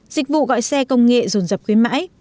dịch vụ gọi xe công nghệ dồn dập khuyến mãi